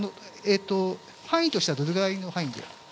範囲としては、どれぐらいの範囲で。